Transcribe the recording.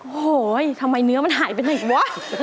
โอ้โหทำไมเนื้อมันหายไปไหนวะ